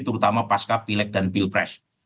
terutama pasca pileg dan pilpres